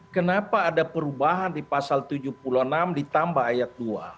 kenapa ada perubahan di pasal tujuh puluh enam ditambah ayat dua